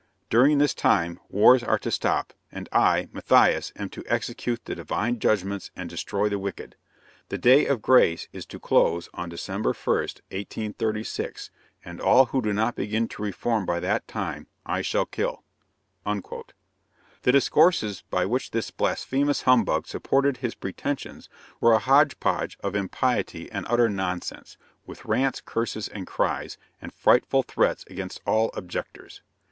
During this time, wars are to stop, and I, Matthias, am to execute the divine judgments and destroy the wicked. The day of grace is to close on December 1, 1836; and all who do not begin to reform by that time, I shall kill." The discourses by which this blasphemous humbug supported his pretensions were a hodge podge of impiety and utter nonsense, with rants, curses and cries, and frightful threats against all objectors.